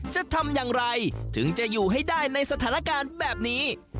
จะทำอย่างไรถึงจะอยู่ให้ได้ในสถานการณ์แบบนี้